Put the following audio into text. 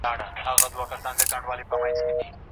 خیال دي لېمو کي زنګوم جانانه هېر مي نه کې